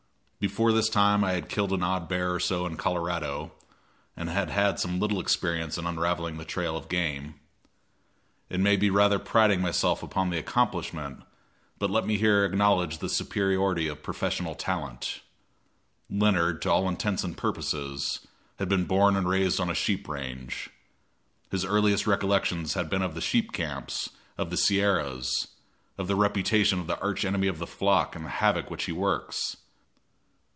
Before this time I had killed an odd bear or so in Colorado, and had had some little experience in unraveling the trail of game. It may be rather priding myself upon the accomplishment, but let me here acknowledge the superiority of professional talent. Leonard, to all intents and purposes, had been born and raised on a sheep range. His earliest recollections had been of the sheep camps of the Sierras, of the reputation of the arch enemy of the flock and of the havoc which he works.